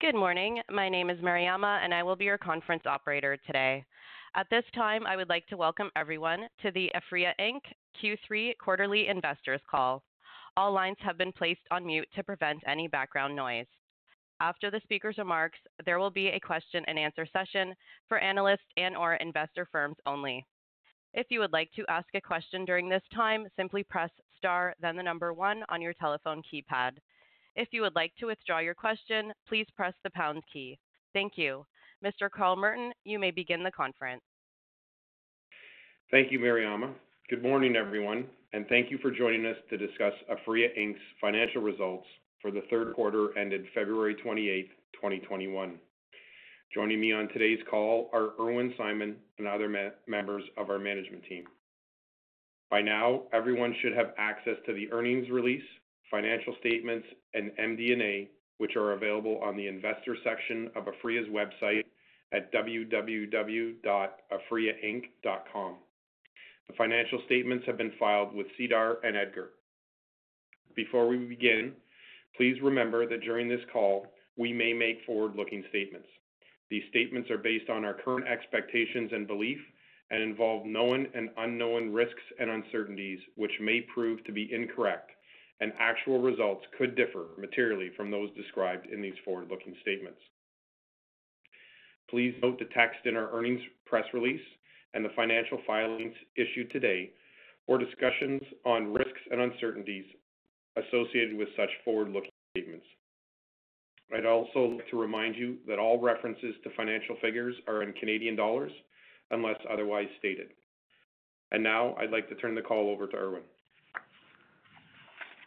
Good morning. My name is Mariama, and I will be your conference operator today. At this time, I would like to welcome everyone to the Aphria Inc Q3 quarterly investors call. All lines have been placed on mute to prevent any background noise. After the speaker's remarks, there will be a question-and-answer session for analysts and/or investor firms only. If you would like to ask a question during this time, simply press star, then the number one on your telephone keypad. If you would like to withdraw your question, please press the pound key. Thank you. Mr. Carl Merton, you may begin the conference. Thank you, Mariama. Good morning, everyone, and thank you for joining us to discuss Aphria Inc's financial results for the third quarter ended February 28th, 2021. Joining me on today's call are Irwin Simon and other members of our management team. By now, everyone should have access to the earnings release, financial statements, and MD&A, which are available on the investor section of Aphria's website at www.aphriainc.com. The financial statements have been filed with SEDAR and EDGAR. Before we begin, please remember that during this call, we may make forward-looking statements. These statements are based on our current expectations and belief and involve known and unknown risks and uncertainties, which may prove to be incorrect, and actual results could differ materially from those described in these forward-looking statements. Please note the text in our earnings press release and the financial filings issued today for discussions on risks and uncertainties associated with such forward-looking statements. I'd also like to remind you that all references to financial figures are in Canadian dollars unless otherwise stated. Now I'd like to turn the call over to Irwin.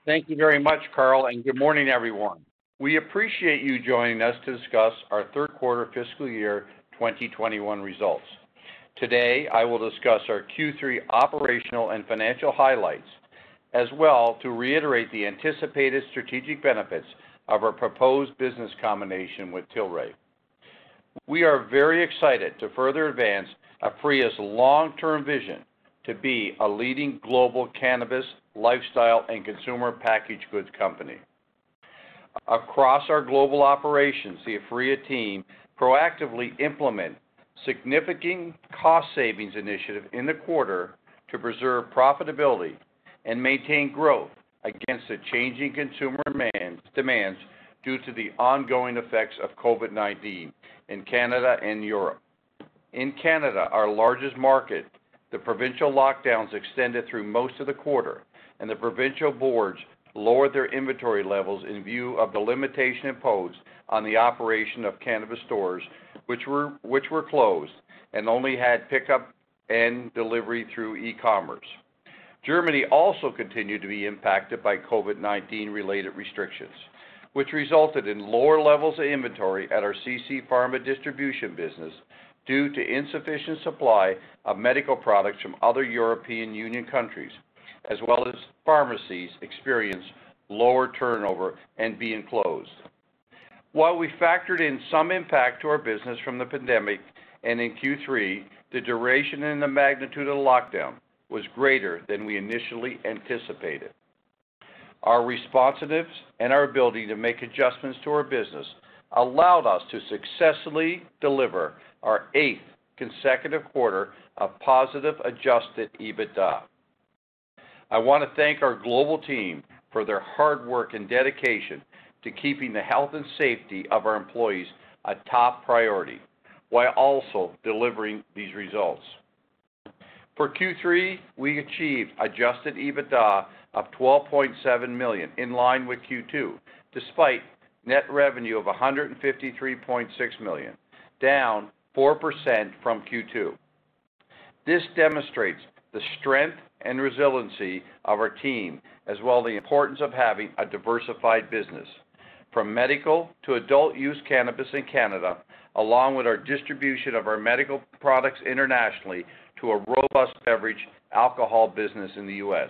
Thank you very much, Carl, and good morning, everyone. We appreciate you joining us to discuss our third quarter fiscal year 2021 results. Today, I will discuss our Q3 operational and financial highlights, as well to reiterate the anticipated strategic benefits of our proposed business combination with Tilray. We are very excited to further advance Aphria's long-term vision to be a leading global cannabis, lifestyle, and consumer packaged goods company. Across our global operations, the Aphria team proactively implement significant cost savings initiative in the quarter to preserve profitability and maintain growth against the changing consumer demands due to the ongoing effects of COVID-19 in Canada and Europe. In Canada, our largest market, the provincial lockdowns extended through most of the quarter, and the provincial boards lowered their inventory levels in view of the limitation imposed on the operation of cannabis stores, which were closed and only had pickup and delivery through e-commerce. Germany also continued to be impacted by COVID-19 related restrictions, which resulted in lower levels of inventory at our CC Pharma distribution business due to insufficient supply of medical products from other European Union countries, as well as pharmacies experienced lower turnover and being closed. While we factored in some impact to our business from the pandemic, and in Q3, the duration and the magnitude of the lockdown was greater than we initially anticipated. Our responsiveness and our ability to make adjustments to our business allowed us to successfully deliver our eighth consecutive quarter of positive adjusted EBITDA. I want to thank our global team for their hard work and dedication to keeping the health and safety of our employees a top priority, while also delivering these results. For Q3, we achieved adjusted EBITDA of 12.7 million, in line with Q2, despite net revenue of 153.6 million, down 4% from Q2. This demonstrates the strength and resiliency of our team, as well the importance of having a diversified business. From medical to adult use cannabis in Canada, along with our distribution of our medical products internationally, to a robust beverage alcohol business in the U.S.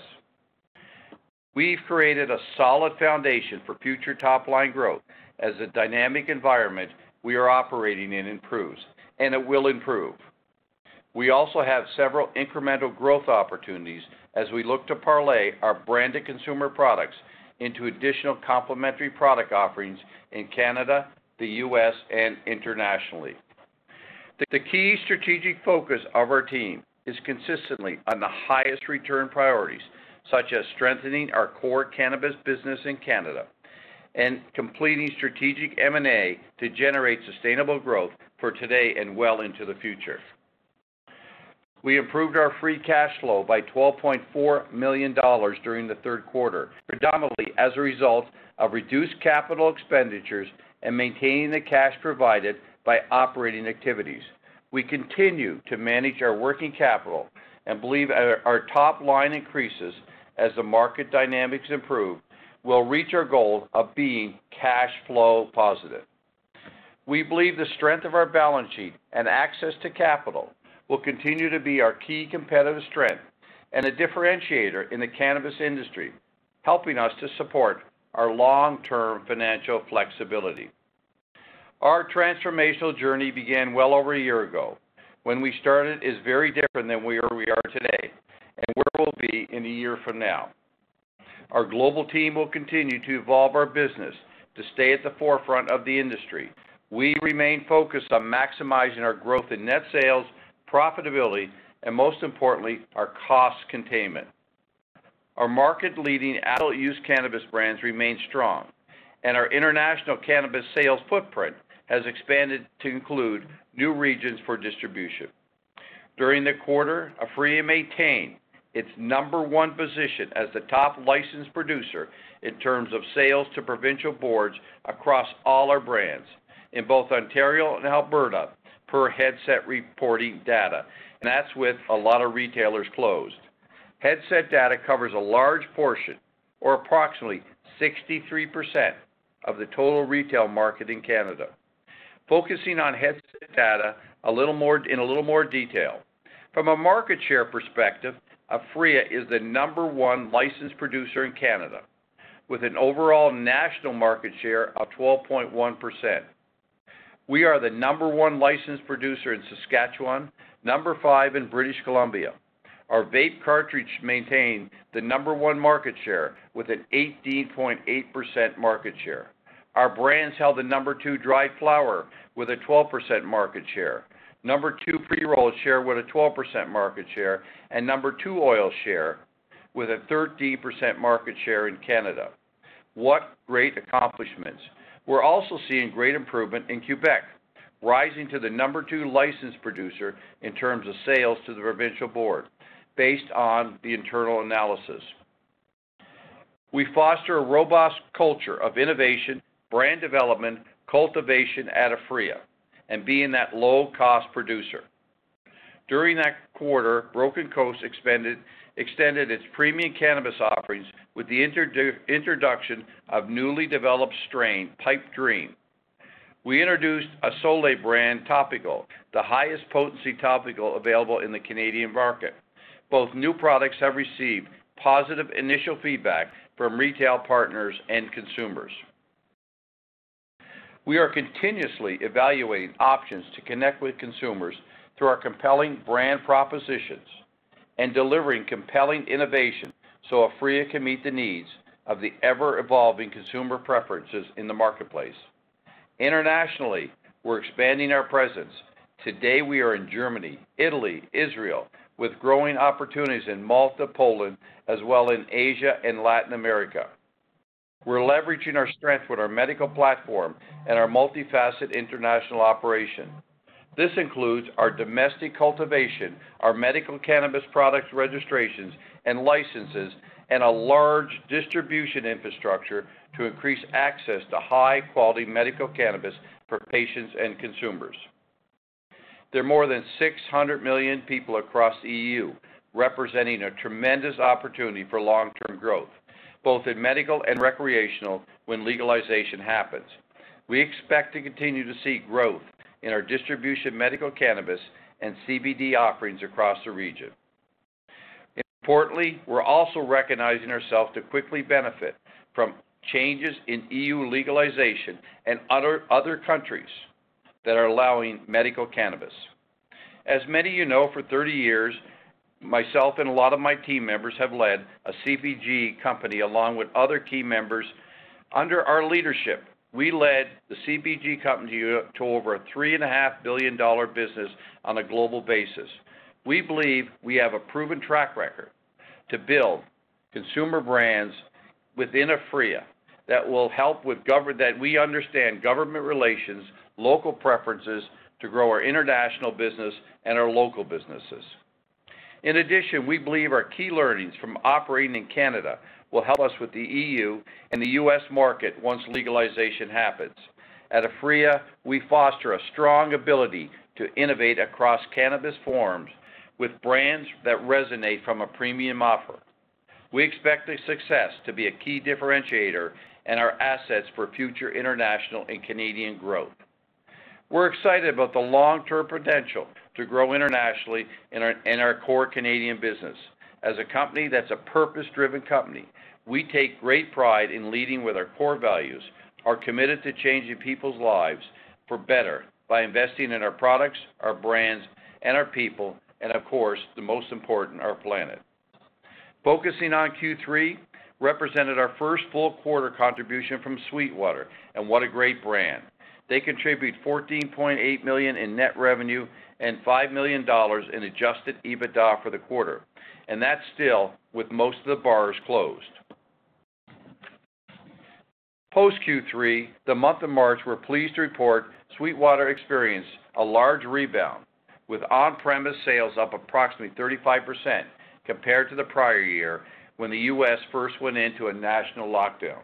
We've created a solid foundation for future top-line growth as the dynamic environment we are operating in improves, and it will improve. We also have several incremental growth opportunities as we look to parlay our brand to consumer products into additional complementary product offerings in Canada, the U.S., and internationally. The key strategic focus of our team is consistently on the highest return priorities, such as strengthening our core cannabis business in Canada and completing strategic M&A to generate sustainable growth for today and well into the future. We improved our free cash flow by 12.4 million dollars during the third quarter, predominantly as a result of reduced capital expenditures and maintaining the cash provided by operating activities. We continue to manage our working capital and believe our top line increases as the market dynamics improve will reach our goal of being cash flow positive. We believe the strength of our balance sheet and access to capital will continue to be our key competitive strength and a differentiator in the cannabis industry, helping us to support our long-term financial flexibility. Our transformational journey began well over a year ago. Where we started is very different than where we are today, and where we'll be in a year from now. Our global team will continue to evolve our business to stay at the forefront of the industry. We remain focused on maximizing our growth in net sales, profitability, and most importantly, our cost containment. Our market-leading adult-use cannabis brands remain strong, and our international cannabis sales footprint has expanded to include new regions for distribution. During the quarter, Aphria maintained its number 1 position as the top licensed producer in terms of sales to provincial boards across all our brands in both Ontario and Alberta per Headset reporting data, and that's with a lot of retailers closed. Headset data covers a large portion, or approximately 63%, of the total retail market in Canada. Focusing on Headset data in a little more detail. From a market share perspective, Aphria is the number one licensed producer in Canada, with an overall national market share of 12.1%. We are the number one licensed producer in Saskatchewan, number five in British Columbia. Our vape cartridge maintained the number one market share with an 18.8% market share. Our brands held the number two dry flower with a 12% market share, number two pre-rolled share with a 12% market share, and number two oil share with a 13% market share in Canada. What great accomplishments. We're also seeing great improvement in Quebec, rising to the number two licensed producer in terms of sales to the provincial board, based on the internal analysis. We foster a robust culture of innovation, brand development, cultivation at Aphria, and being that low-cost producer. During that quarter, Broken Coast extended its premium cannabis offerings with the introduction of newly developed strain, Pipe Dream. We introduced a Solei brand topical, the highest potency topical available in the Canadian market. Both new products have received positive initial feedback from retail partners and consumers. We are continuously evaluating options to connect with consumers through our compelling brand propositions and delivering compelling innovation so Aphria can meet the needs of the ever-evolving consumer preferences in the marketplace. Internationally, we're expanding our presence. Today, we are in Germany, Italy, Israel, with growing opportunities in Malta, Poland, as well in Asia and Latin America. We're leveraging our strength with our medical platform and our multifaceted international operation. This includes our domestic cultivation, our medical cannabis products registrations and licenses, and a large distribution infrastructure to increase access to high-quality medical cannabis for patients and consumers. There are more than 600 million people across EU, representing a tremendous opportunity for long-term growth, both in medical and recreational when legalization happens. We expect to continue to see growth in our distribution medical cannabis and CBD offerings across the region. Importantly, we're also recognizing ourselves to quickly benefit from changes in EU legalization and other countries that are allowing medical cannabis. As many of you know, for 30 years, myself and a lot of my team members have led a CPG company along with other key members. Under our leadership, we led the CPG company to over a 3.5 billion dollar business on a global basis. We believe we have a proven track record to build consumer brands within Aphria that we understand government relations, local preferences to grow our international business and our local businesses. In addition, we believe our key learnings from operating in Canada will help us with the EU and the U.S. market once legalization happens. At Aphria, we foster a strong ability to innovate across cannabis forms with brands that resonate from a premium offer. We expect this success to be a key differentiator and our assets for future international and Canadian growth. We're excited about the long-term potential to grow internationally and our core Canadian business. As a company that's a purpose-driven company, we take great pride in leading with our core values, are committed to changing people's lives for better by investing in our products, our brands, and our people, and of course, the most important, our planet. Focusing on Q3, represented our first full quarter contribution from SweetWater, and what a great brand. They contribute 14.8 million in net revenue and 5 million dollars in adjusted EBITDA for the quarter, and that's still with most of the bars closed. Post Q3, the month of March, we're pleased to report SweetWater experienced a large rebound, with on-premise sales up approximately 35% compared to the prior year when the U.S. first went into a national lockdown.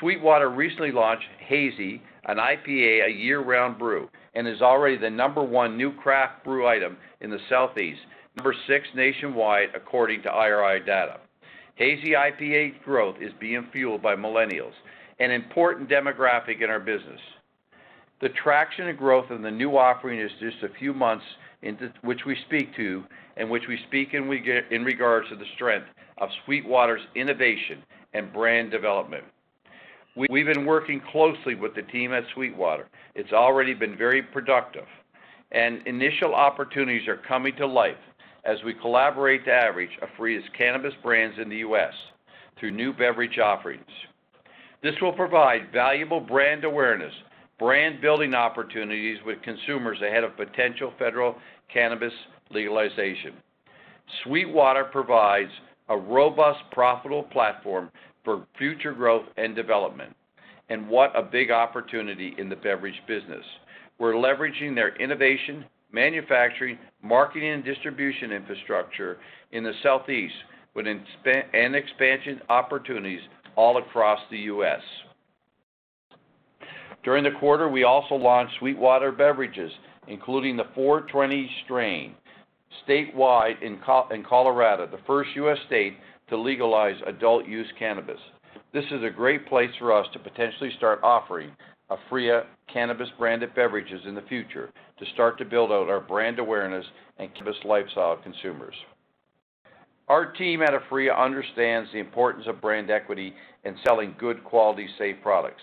SweetWater recently launched Hazy, an IPA year-round brew, and is already the number 1 new craft brew item in the Southeast, number 6 nationwide, according to IRI data. Hazy IPA growth is being fueled by millennials, an important demographic in our business. The traction and growth of the new offering is just a few months which we speak to and which we speak in regards to the strength of SweetWater's innovation and brand development. We've been working closely with the team at SweetWater. It's already been very productive, and initial opportunities are coming to life as we collaborate to leverage Aphria's cannabis brands in the U.S. through new beverage offerings. This will provide valuable brand awareness, brand-building opportunities with consumers ahead of potential federal cannabis legalization. SweetWater provides a robust, profitable platform for future growth and development. What a big opportunity in the beverage business. We're leveraging their innovation, manufacturing, marketing, and distribution infrastructure in the Southeast and expansion opportunities all across the U.S. During the quarter, we also launched SweetWater beverages, including the 420 Strain, statewide in Colorado, the first U.S. state to legalize adult-use cannabis. This is a great place for us to potentially start offering Aphria cannabis-branded beverages in the future to start to build out our brand awareness and cannabis lifestyle consumers. Our team at Aphria understands the importance of brand equity and selling good, quality, safe products.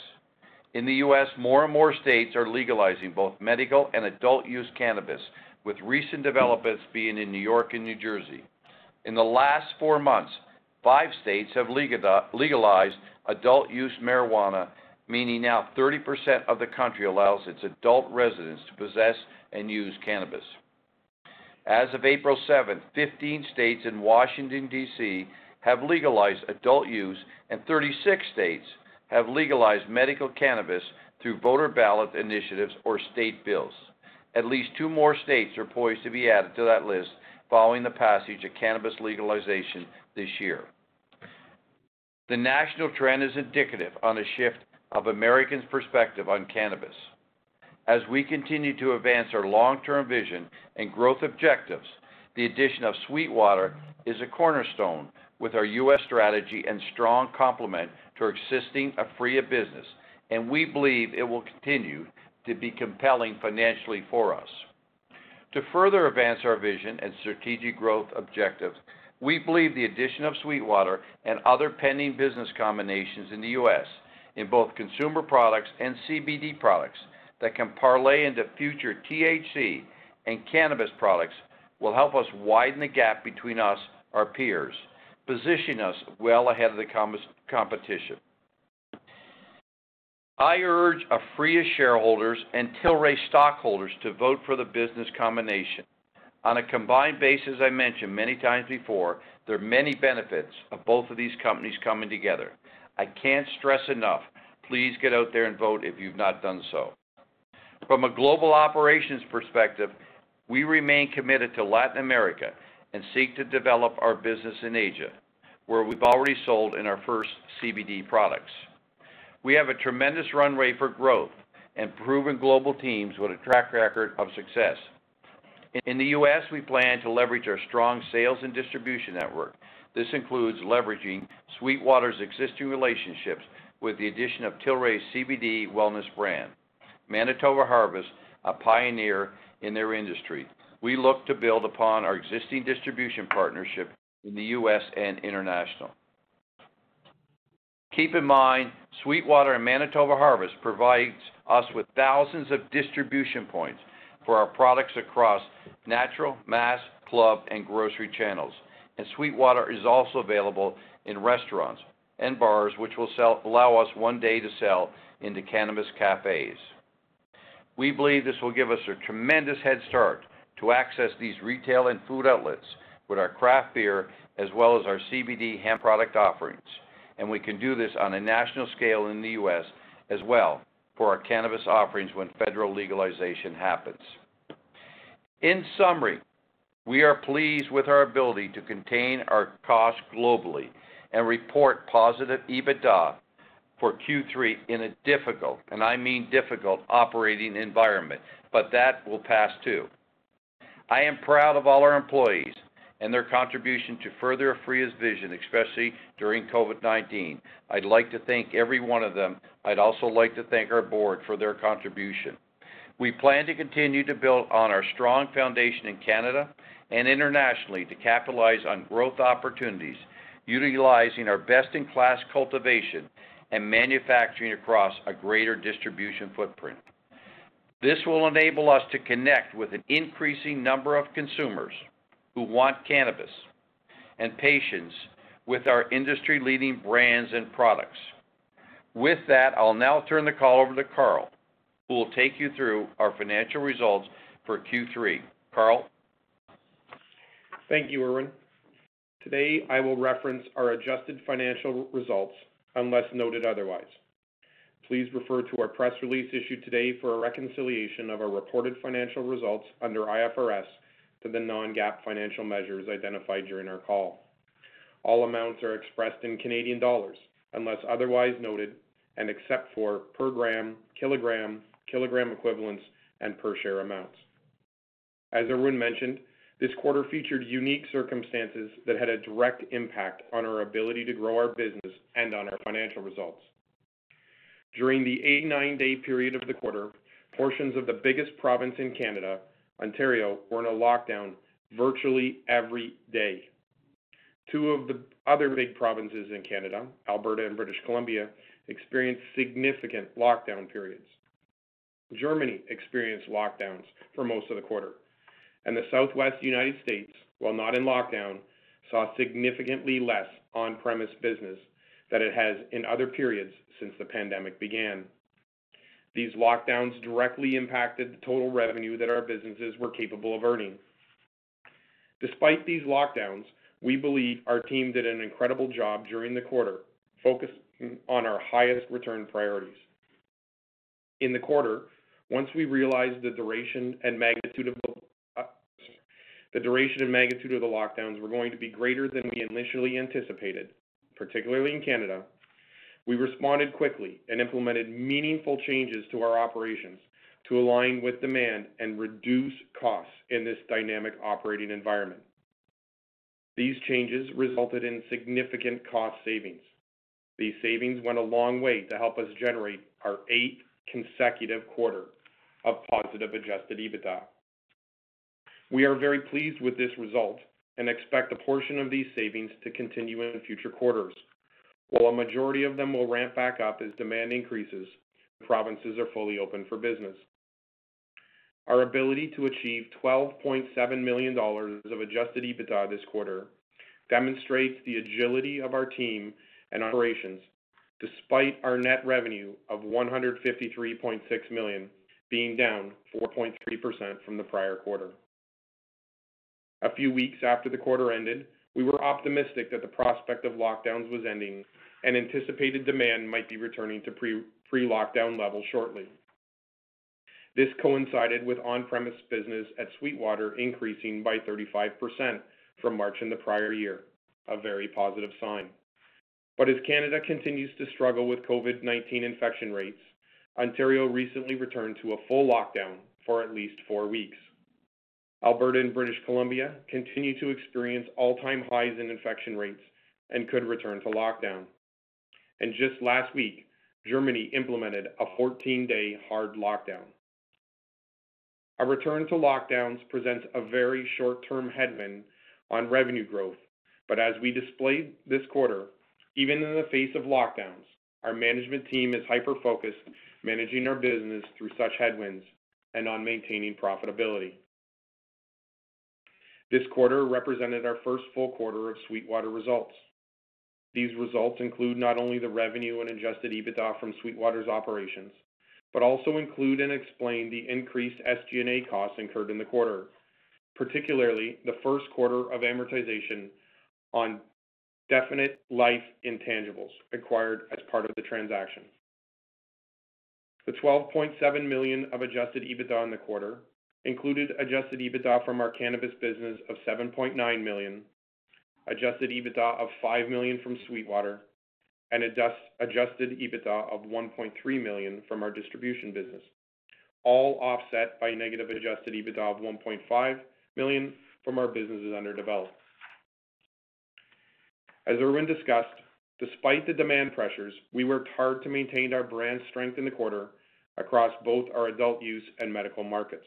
In the U.S., more and more states are legalizing both medical and adult-use cannabis, with recent developments being in New York and New Jersey. In the last four months, five states have legalized adult-use marijuana, meaning now 30% of the country allows its adult residents to possess and use cannabis. As of April 7th, 15 states and Washington, D.C., have legalized adult use, and 36 states have legalized medical cannabis through voter ballot initiatives or state bills. At least two more states are poised to be added to that list following the passage of cannabis legalization this year. The national trend is indicative of a shift of Americans' perspective on cannabis. As we continue to advance our long-term vision and growth objectives, the addition of SweetWater is a cornerstone with our U.S. strategy and strong complement to our existing Aphria business, and we believe it will continue to be compelling financially for us. To further advance our vision and strategic growth objectives, we believe the addition of SweetWater and other pending business combinations in the U.S., in both consumer products and CBD products that can parlay into future THC and cannabis products, will help us widen the gap between us, our peers, positioning us well ahead of the competition. I urge Aphria shareholders and Tilray stockholders to vote for the business combination. On a combined basis, I mentioned many times before, there are many benefits of both of these companies coming together. I can't stress enough, please get out there and vote if you've not done so. From a global operations perspective, we remain committed to Latin America and seek to develop our business in Asia, where we've already sold in our first CBD products. We have a tremendous runway for growth and proven global teams with a track record of success. In the U.S., we plan to leverage our strong sales and distribution network. This includes leveraging SweetWater's existing relationships with the addition of Tilray's CBD wellness brand, Manitoba Harvest, a pioneer in their industry. We look to build upon our existing distribution partnership in the U.S. and internationally. Keep in mind, SweetWater and Manitoba Harvest provide us with thousands of distribution points for our products across natural, mass, club, and grocery channels. SweetWater is also available in restaurants and bars, which will allow us one day to sell into cannabis cafes. We believe this will give us a tremendous head start to access these retail and food outlets with our craft beer as well as our CBD hemp product offerings, and we can do this on a national scale in the U.S. as well for our cannabis offerings when federal legalization happens. In summary, we are pleased with our ability to contain our costs globally and report positive EBITDA for Q3 in a difficult, and I mean difficult, operating environment. That will pass, too. I am proud of all our employees and their contribution to further Aphria's vision, especially during COVID-19. I'd like to thank every one of them. I'd also like to thank our board for their contribution. We plan to continue to build on our strong foundation in Canada and internationally to capitalize on growth opportunities, utilizing our best-in-class cultivation and manufacturing across a greater distribution footprint. This will enable us to connect with an increasing number of consumers who want cannabis and patients with our industry-leading brands and products. With that, I'll now turn the call over to Carl, who will take you through our financial results for Q3. Carl? Thank you, Irwin. Today, I will reference our adjusted financial results unless noted otherwise. Please refer to our press release issued today for a reconciliation of our reported financial results under IFRS to the non-GAAP financial measures identified during our call. All amounts are expressed in Canadian dollars unless otherwise noted and except for per gram, kilogram equivalents, and per-share amounts. As Irwin mentioned, this quarter featured unique circumstances that had a direct impact on our ability to grow our business and on our financial results. During the 89-day period of the quarter, portions of the biggest province in Canada, Ontario, were in a lockdown virtually every day. Two of the other big provinces in Canada, Alberta and British Columbia, experienced significant lockdown periods. Germany experienced lockdowns for most of the quarter, and the Southwest U.S., while not in lockdown, saw significantly less on-premise business than it has in other periods since the pandemic began. These lockdowns directly impacted the total revenue that our businesses were capable of earning. Despite these lockdowns, we believe our team did an incredible job during the quarter, focused on our highest return priorities. In the quarter, once we realized the duration and magnitude of the lockdowns were going to be greater than we initially anticipated, particularly in Canada, we responded quickly and implemented meaningful changes to our operations to align with demand and reduce costs in this dynamic operating environment. These changes resulted in significant cost savings. These savings went a long way to help us generate our eighth consecutive quarter of positive adjusted EBITDA. We are very pleased with this result and expect a portion of these savings to continue into future quarters, while a majority of them will ramp back up as demand increases and provinces are fully open for business. Our ability to achieve 12.7 million dollars of adjusted EBITDA this quarter demonstrates the agility of our team and operations, despite our net revenue of 153.6 million being down 4.3% from the prior quarter. A few weeks after the quarter ended, we were optimistic that the prospect of lockdowns was ending and anticipated demand might be returning to pre-lockdown levels shortly. This coincided with on-premise business at SweetWater increasing by 35% from March in the prior year, a very positive sign. As Canada continues to struggle with COVID-19 infection rates, Ontario recently returned to a full lockdown for at least four weeks. Alberta and British Columbia continue to experience all-time highs in infection rates and could return to lockdown. Just last week, Germany implemented a 14-day hard lockdown. A return to lockdowns presents a very short-term headwind on revenue growth. As we displayed this quarter, even in the face of lockdowns, our management team is hyper-focused, managing our business through such headwinds and on maintaining profitability. This quarter represented our first full quarter of SweetWater results. These results include not only the revenue and adjusted EBITDA from SweetWater's operations, but also include and explain the increased SG&A costs incurred in the quarter, particularly the first quarter of amortization on definite life intangibles acquired as part of the transaction. The 12.7 million of adjusted EBITDA in the quarter included adjusted EBITDA from our cannabis business of 7.9 million, adjusted EBITDA of 5 million from SweetWater, and adjusted EBITDA of 1.3 million from our distribution business, all offset by negative adjusted EBITDA of 1.5 million from our businesses under development. As Irwin discussed, despite the demand pressures, we worked hard to maintain our brand strength in the quarter across both our adult use and medical markets.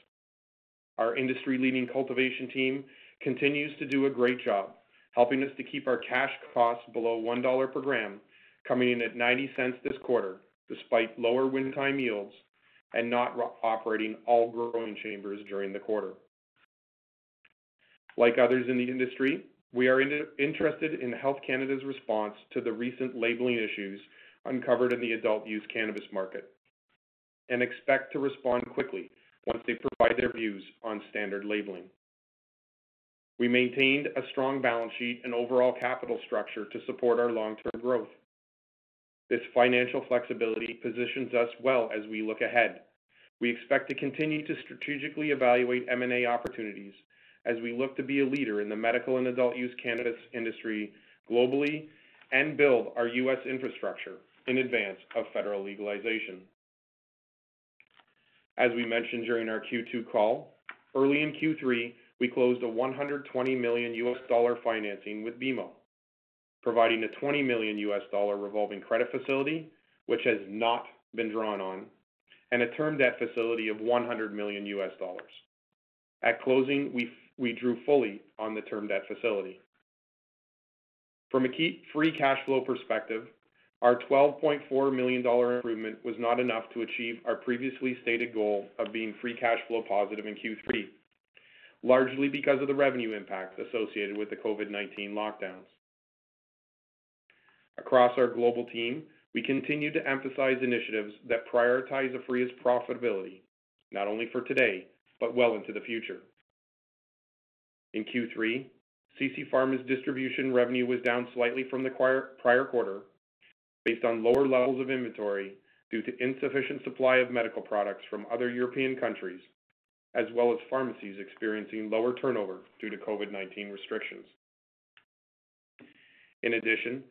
Our industry-leading cultivation team continues to do a great job, helping us to keep our cash costs below 1 dollar per gram, coming in at 0.90 this quarter, despite lower wintertime yields and not operating all growing chambers during the quarter. Like others in the industry, we are interested in Health Canada's response to the recent labeling issues uncovered in the adult-use cannabis market and expect to respond quickly once they provide their views on standard labeling. We maintained a strong balance sheet and overall capital structure to support our long-term growth. This financial flexibility positions us well as we look ahead. We expect to continue to strategically evaluate M&A opportunities as we look to be a leader in the medical and adult use cannabis industry globally and build our U.S. infrastructure in advance of federal legalization. As we mentioned during our Q2 call, early in Q3, we closed a $120 million financing with BMO, providing a $20 million revolving credit facility, which has not been drawn on, and a term debt facility of $100 million. At closing, we drew fully on the term debt facility. From a free cash flow perspective, our 12.4 million dollar improvement was not enough to achieve our previously stated goal of being free cash flow positive in Q3, largely because of the revenue impact associated with the COVID-19 lockdowns. Across our global team, we continue to emphasize initiatives that prioritize Aphria's profitability, not only for today, but well into the future. In Q3, CC Pharma's distribution revenue was down slightly from the prior quarter based on lower levels of inventory due to insufficient supply of medical products from other European countries, as well as pharmacies experiencing lower turnover due to COVID-19 restrictions. In addition,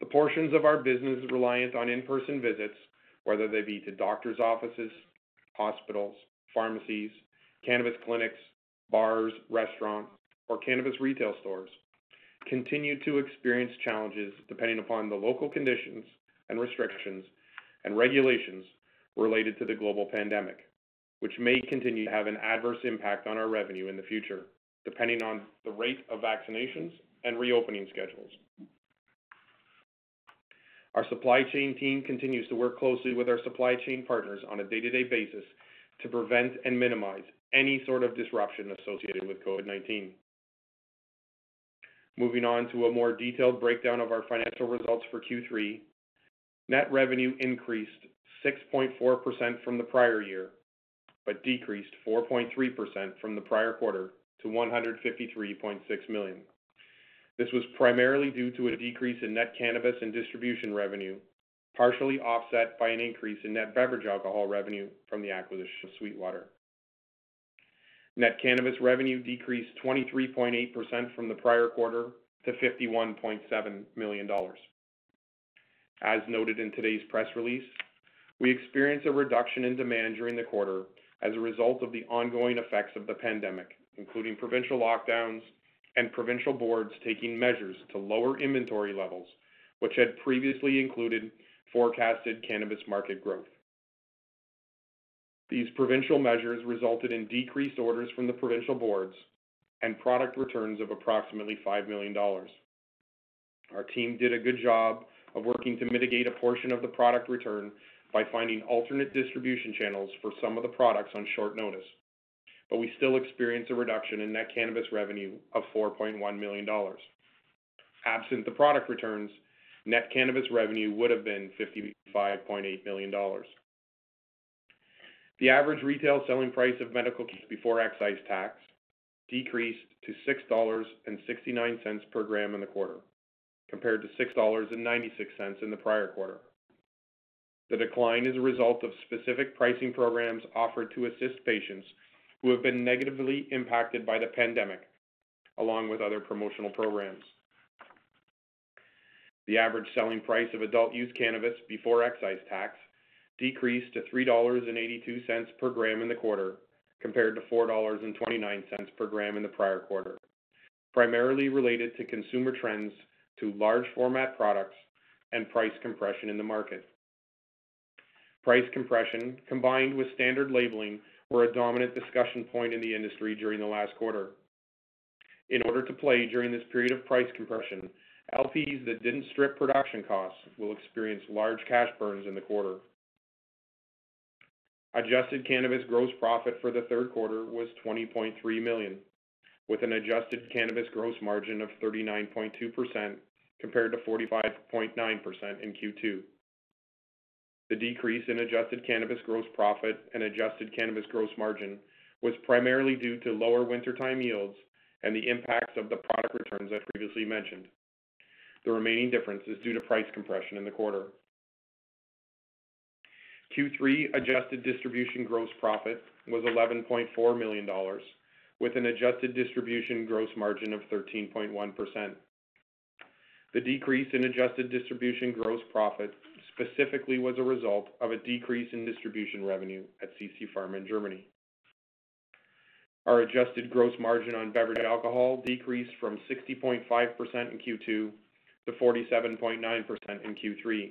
the portions of our business reliant on in-person visits, whether they be to doctor's offices, hospitals, pharmacies, cannabis clinics, bars, restaurants, or cannabis retail stores, continue to experience challenges depending upon the local conditions and restrictions and regulations related to the global pandemic, which may continue to have an adverse impact on our revenue in the future, depending on the rate of vaccinations and reopening schedules. Our supply chain team continues to work closely with our supply chain partners on a day-to-day basis to prevent and minimize any sort of disruption associated with COVID-19. Moving on to a more detailed breakdown of our financial results for Q3, net revenue increased 6.4% from the prior year, but decreased 4.3% from the prior quarter to 153.6 million. This was primarily due to a decrease in net cannabis and distribution revenue, partially offset by an increase in net beverage alcohol revenue from the acquisition of SweetWater. Net cannabis revenue decreased 23.8% from the prior quarter to 51.7 million dollars. As noted in today's press release, we experienced a reduction in demand during the quarter as a result of the ongoing effects of the pandemic, including provincial lockdowns and provincial boards taking measures to lower inventory levels, which had previously included forecasted cannabis market growth. These provincial measures resulted in decreased orders from the provincial boards and product returns of approximately 5 million dollars. Our team did a good job of working to mitigate a portion of the product return by finding alternate distribution channels for some of the products on short notice. We still experienced a reduction in net cannabis revenue of 4.1 million dollars. Absent the product returns, net cannabis revenue would have been 55.8 million dollars. The average retail selling price of medical before excise tax decreased to 6.69 dollars per gram in the quarter, compared to 6.96 dollars in the prior quarter. The decline is a result of specific pricing programs offered to assist patients who have been negatively impacted by the pandemic, along with other promotional programs. The average selling price of adult-use cannabis before excise tax decreased to 3.82 dollars per gram in the quarter compared to 4.29 dollars per gram in the prior quarter, primarily related to consumer trends to large format products and price compression in the market. Price compression, combined with standard labeling, were a dominant discussion point in the industry during the last quarter. In order to play during this period of price compression, LPs that didn't strip production costs will experience large cash burns in the quarter. Adjusted cannabis gross profit for the third quarter was 20.3 million, with an adjusted cannabis gross margin of 39.2%, compared to 45.9% in Q2. The decrease in adjusted cannabis gross profit and adjusted cannabis gross margin was primarily due to lower wintertime yields and the impacts of the product returns I previously mentioned. The remaining difference is due to price compression in the quarter. Q3 adjusted distribution gross profit was 11.4 million dollars, with an adjusted distribution gross margin of 13.1%. The decrease in adjusted distribution gross profit specifically was a result of a decrease in distribution revenue at CC Pharma in Germany. Our adjusted gross margin on beverage alcohol decreased from 60.5% in Q2 to 47.9% in Q3.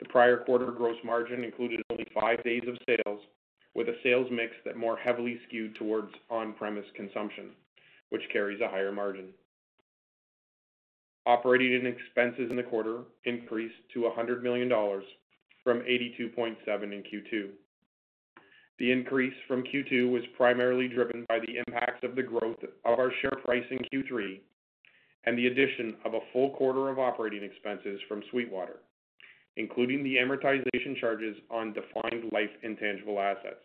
The prior quarter gross margin included only five days of sales, with a sales mix that more heavily skewed towards on-premise consumption, which carries a higher margin. Operating expenses in the quarter increased to 100 million dollars from 82.7 million in Q2. The increase from Q2 was primarily driven by the impacts of the growth of our share price in Q3 and the addition of a full quarter of operating expenses from SweetWater, including the amortization charges on defined life intangible assets.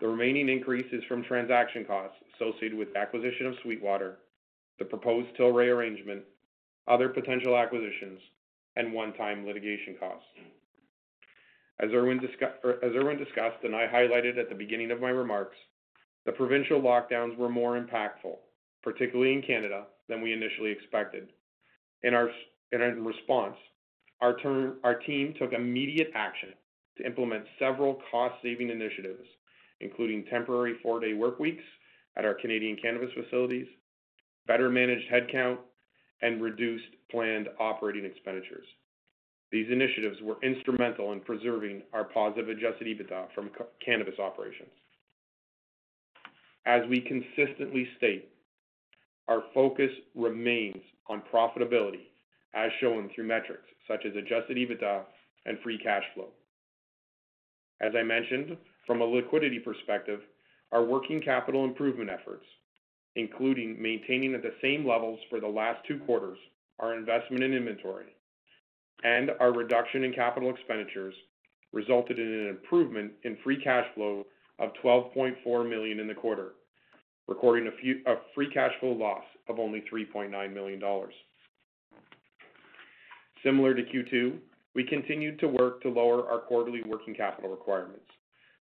The remaining increase is from transaction costs associated with the acquisition of SweetWater, the proposed Tilray arrangement, other potential acquisitions, and one-time litigation costs. As Irwin discussed, and I highlighted at the beginning of my remarks, the provincial lockdowns were more impactful, particularly in Canada, than we initially expected. In response, our team took immediate action to implement several cost-saving initiatives, including temporary four-day work weeks at our Canadian cannabis facilities, better managed headcount, and reduced planned operating expenditures. These initiatives were instrumental in preserving our positive adjusted EBITDA from cannabis operations. As we consistently state, our focus remains on profitability, as shown through metrics such as adjusted EBITDA and free cash flow. As I mentioned, from a liquidity perspective, our working capital improvement efforts, including maintaining at the same levels for the last two quarters our investment in inventory and our reduction in capital expenditures, resulted in an improvement in free cash flow of 12.4 million in the quarter, recording a free cash flow loss of only 3.9 million dollars. Similar to Q2, we continued to work to lower our quarterly working capital requirements,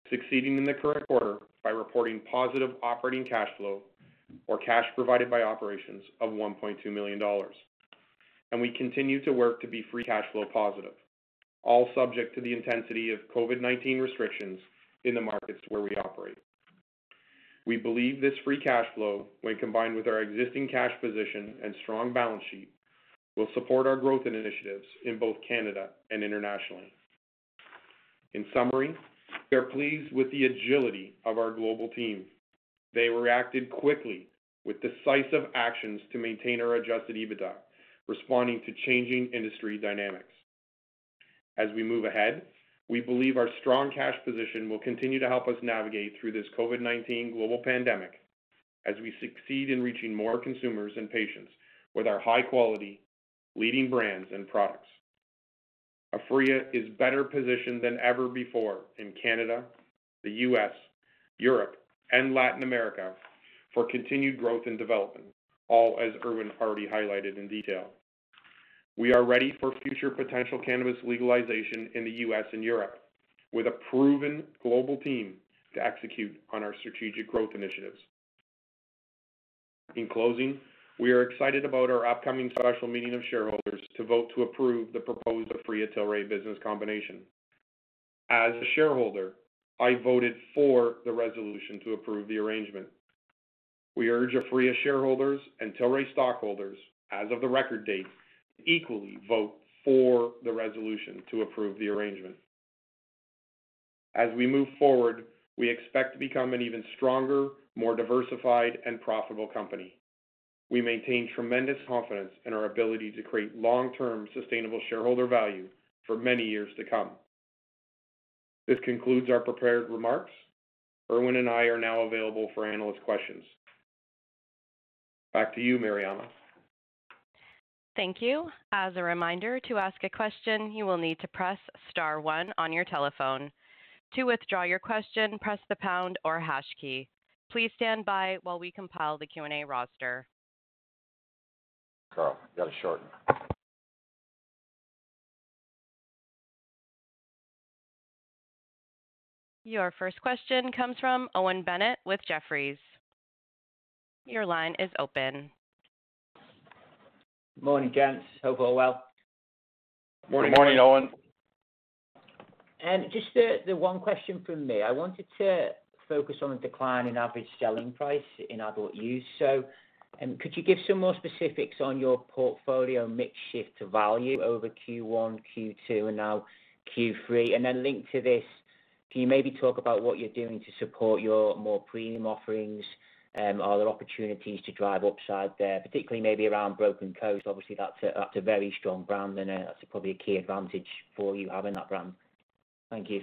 succeeding in the current quarter by reporting positive operating cash flow or cash provided by operations of 1.2 million dollars. We continue to work to be free cash flow positive, all subject to the intensity of COVID-19 restrictions in the markets where we operate. We believe this free cash flow, when combined with our existing cash position and strong balance sheet, will support our growth initiatives in both Canada and internationally. In summary, we are pleased with the agility of our global team. They reacted quickly with decisive actions to maintain our adjusted EBITDA, responding to changing industry dynamics. As we move ahead, we believe our strong cash position will continue to help us navigate through this COVID-19 global pandemic, as we succeed in reaching more consumers and patients with our high-quality leading brands and products. Aphria is better positioned than ever before in Canada, the U.S., Europe, and Latin America for continued growth and development, all as Irwin already highlighted in detail. We are ready for future potential cannabis legalization in the U.S. and Europe, with a proven global team to execute on our strategic growth initiatives. In closing, we are excited about our upcoming special meeting of shareholders to vote to approve the proposed Aphria-Tilray business combination. As a shareholder, I voted for the resolution to approve the arrangement. We urge Aphria shareholders and Tilray stockholders, as of the record date, to equally vote for the resolution to approve the arrangement. As we move forward, we expect to become an even stronger, more diversified, and profitable company. We maintain tremendous confidence in our ability to create long-term sustainable shareholder value for many years to come. This concludes our prepared remarks. Irwin and I are now available for analyst questions. Back to you, Mariama. Thank you. As a reminder, to ask a question, you will need to press star one on your telephone. To withdraw your question, press the pound or hash key. Please stand by while we compile the Q&A roster. Carl, you got to shorten. Your first question comes from Owen Bennett with Jefferies. Your line is open. Morning, gents. Hope all well. Morning. Morning, Owen. Just the one question from me. I wanted to focus on the decline in average selling price in adult use. Could you give some more specifics on your portfolio mix shift to value over Q1, Q2, and now Q3? Linked to this, can you maybe talk about what you're doing to support your more premium offerings? Are there opportunities to drive upside there, particularly maybe around Broken Coast? Obviously, that's a very strong brand, and that's probably a key advantage for you having that brand. Thank you.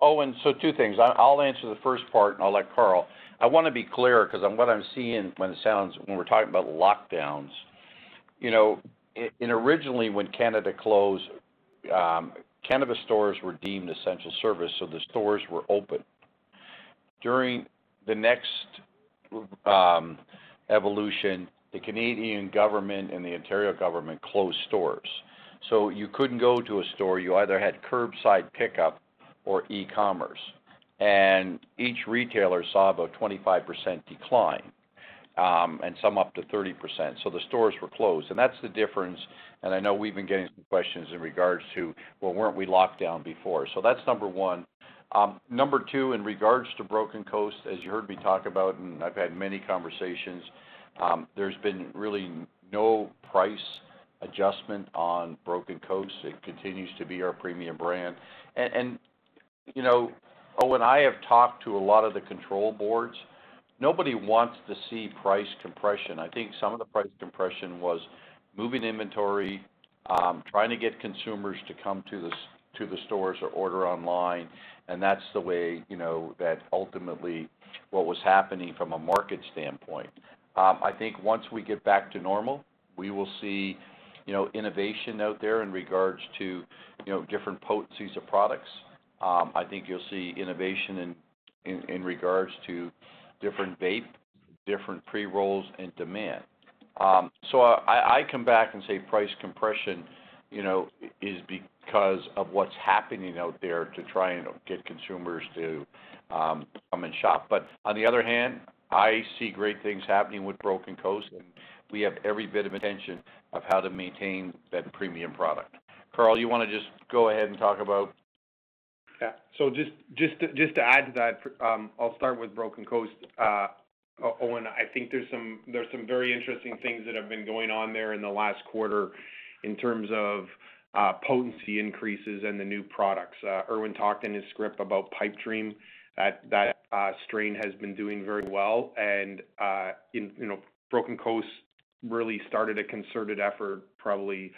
Owen, two things. I'll answer the first part, and I'll let Carl. I want to be clear because what I'm seeing when we're talking about lockdowns. Originally, when Canada closed, cannabis stores were deemed essential service, so the stores were open. During the next evolution, the Canadian government and the Ontario government closed stores. You couldn't go to a store. You either had curbside pickup or e-commerce, and each retailer saw about a 25% decline, and some up to 30%. The stores were closed. That's the difference, and I know we've been getting some questions in regards to, weren't we locked down before? That's number one. Number two, in regards to Broken Coast, as you heard me talk about, and I've had many conversations, there's been really no price adjustment on Broken Coast. It continues to be our premium brand. Owen, I have talked to a lot of the control boards. Nobody wants to see price compression. I think some of the price compression was moving inventory, trying to get consumers to come to the stores or order online, and that's the way that ultimately what was happening from a market standpoint. I think once we get back to normal, we will see innovation out there in regards to different potencies of products. I think you'll see innovation in regards to different vape, different pre-rolls, and demand. I come back and say price compression is because of what's happening out there to try and get consumers to come and shop. On the other hand, I see great things happening with Broken Coast, and we have every bit of attention of how to maintain that premium product. Carl, you want to just go ahead and talk about. Just to add to that, I'll start with Broken Coast. Owen, I think there's some very interesting things that have been going on there in the last quarter in terms of potency increases and the new products. Irwin talked in his script about Pipe Dream. That strain has been doing very well. Broken Coast really started a concerted effort probably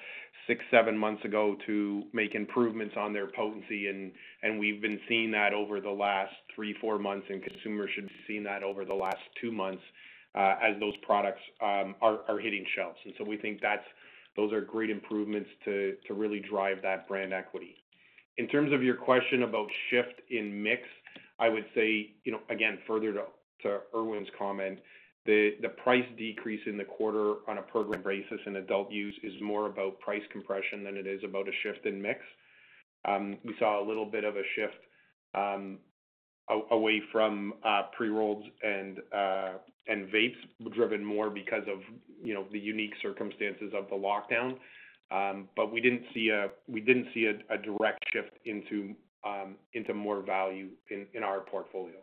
six, seven months ago to make improvements on their potency, and we've been seeing that over the last three, four months, and consumers should be seeing that over the last two months as those products are hitting shelves. We think those are great improvements to really drive that brand equity. In terms of your question about shift in mix, I would say, again, further to Irwin's comment, the price decrease in the quarter on a program basis in adult use is more about price compression than it is about a shift in mix. We saw a little bit of a shift away from pre-rolls and vapes, driven more because of the unique circumstances of the lockdown. We didn't see a direct shift into more value in our portfolio.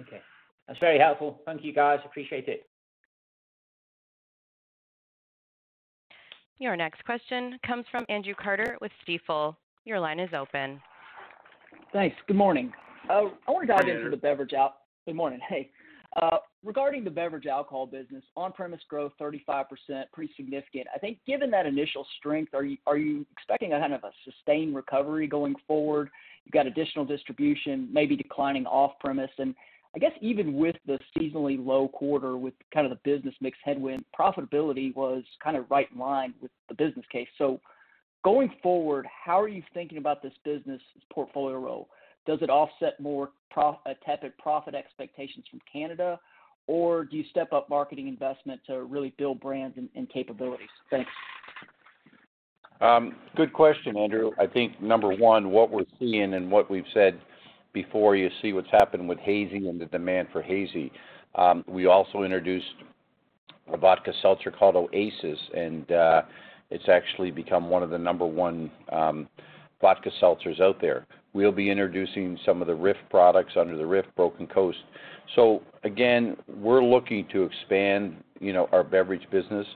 Okay. That's very helpful. Thank you, guys. Appreciate it. Your next question comes from Andrew Carter with Stifel. Your line is open. Thanks. Good morning. Good morning. I want to dive into the beverage out. Good morning. Hey. Regarding the beverage alcohol business, on-premise growth 35%, pretty significant. I think given that initial strength, are you expecting a kind of a sustained recovery going forward? You've got additional distribution, maybe declining off-premise. I guess even with the seasonally low quarter with kind of the business mix headwind, profitability was kind of right in line with the business case. Going forward, how are you thinking about this business' portfolio role? Does it offset more tepid profit expectations from Canada? Do you step up marketing investment to really build brands and capabilities? Thanks. Good question, Andrew. I think number one, what we're seeing and what we've said before, you see what's happened with Hazy and the demand for Hazy. We also introduced a vodka seltzer called Oasis, and it's actually become one of the number one vodka seltzers out there. We'll be introducing some of the RIFF products under the RIFF Broken Coast. Again, we're looking to expand our beverage business.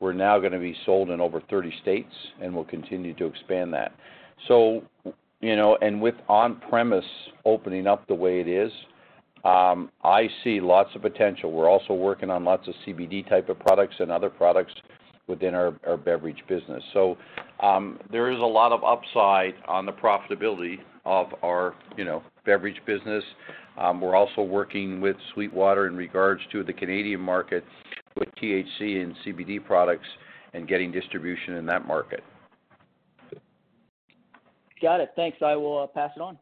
We're now going to be sold in over 30 states, and we'll continue to expand that. With on-premise opening up the way it is, I see lots of potential. We're also working on lots of CBD type of products and other products within our beverage business. There is a lot of upside on the profitability of our beverage business. We're also working with SweetWater in regards to the Canadian market with THC and CBD products and getting distribution in that market. Got it. Thanks. I will pass it on.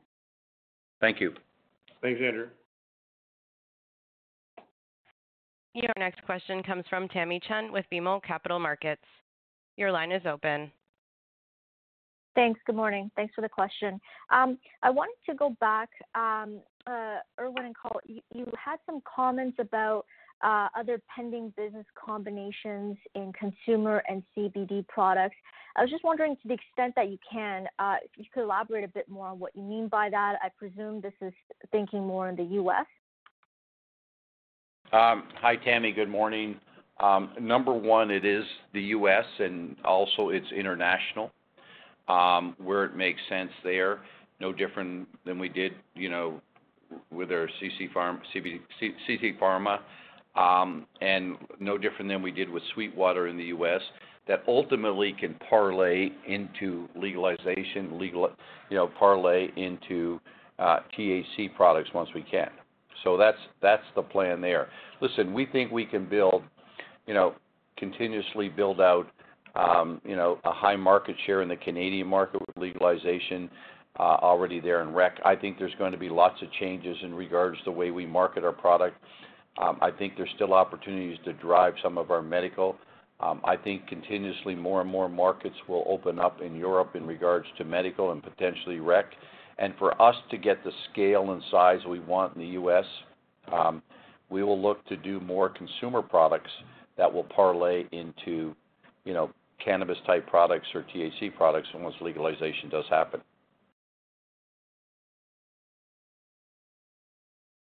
Thank you. Thanks, Andrew. Your next question comes from Tamy Chen with BMO Capital Markets. Your line is open. Thanks. Good morning. Thanks for the question. I wanted to go back. Irwin and Carl, you had some comments about other pending business combinations in consumer and CBD products. I was just wondering, to the extent that you can, if you could elaborate a bit more on what you mean by that. I presume this is thinking more in the U.S. Hi, Tamy. Good morning. Number one, it is the U.S. and also it's international, where it makes sense there. No different than we did with our CC Pharma, and no different than we did with SweetWater in the U.S., that ultimately can parlay into legalization, parlay into THC products once we can. That's the plan there. Listen, we think we can continuously build out a high market share in the Canadian market with legalization already there in rec. I think there's going to be lots of changes in regards to the way we market our product. I think there's still opportunities to drive some of our medical. I think continuously more and more markets will open up in Europe in regards to medical and potentially rec. For us to get the scale and size we want in the U.S., we will look to do more consumer products that will parlay into cannabis type products or THC products once legalization does happen.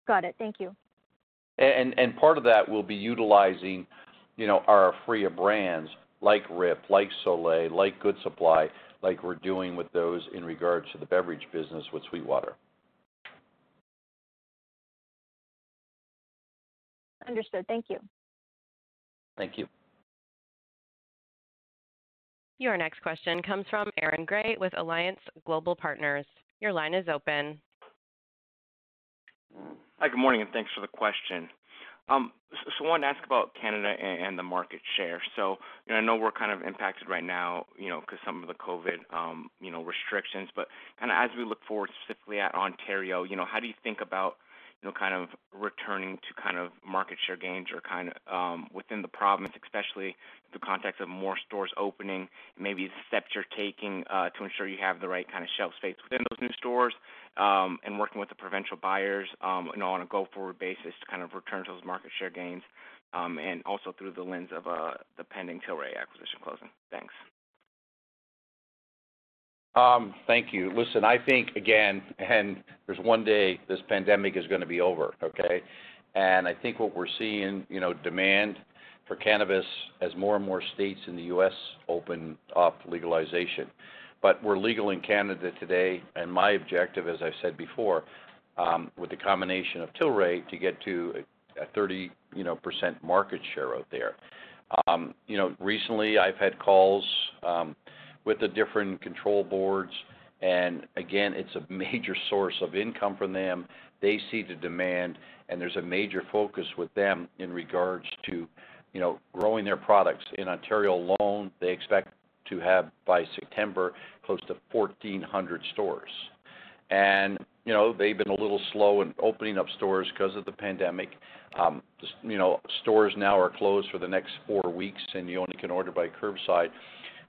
Got it. Thank you. part of that will be utilizing our Aphria brands like RIFF, like Solei, like Good Supply, like we're doing with those in regards to the beverage business with SweetWater. Understood. Thank you. Thank you. Your next question comes from Aaron Grey with Alliance Global Partners. Your line is open. Hi, good morning. Thanks for the question. I want to ask about Canada and the market share. I know we're kind of impacted right now because some of the COVID-19 restrictions, but kind of as we look forward specifically at Ontario, how do you think about kind of returning to kind of market share gains or kind of within the province, especially the context of more stores opening, maybe steps you're taking to ensure you have the right kind of shelf space within those new stores, and working with the provincial buyers on a go-forward basis to kind of return to those market share gains, and also through the lens of the pending Tilray acquisition closing. Thanks. Thank you. Listen, I think, again, there's one day this pandemic is going to be over, okay? I think what we're seeing, demand for cannabis as more and more states in the U.S. open up to legalization. We're legal in Canada today, my objective, as I've said before, with the combination of Tilray, to get to a 30% market share out there. Recently, I've had calls with the different control boards, again, it's a major source of income for them. They see the demand, there's a major focus with them in regards to growing their products. In Ontario alone, they expect to have, by September, close to 1,400 stores. They've been a little slow in opening up stores because of the pandemic. Stores now are closed for the next four weeks, you only can order by curbside.